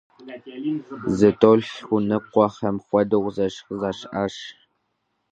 ЗэтӀолъхуэныкъуэхэм хуэдэу зэщхь защӏэщ.